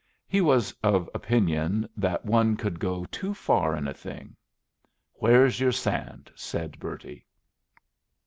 He was of opinion that one could go too far in a thing. "Where's your sand?" said Bertie.